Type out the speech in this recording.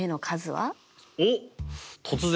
おっ突然！